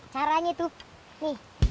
caranya tuh nih